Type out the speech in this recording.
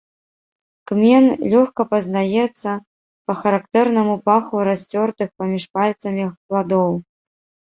Кмен лёгка пазнаецца па характэрнаму паху расцёртых паміж пальцамі пладоў.